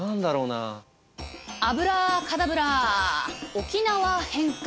沖縄返還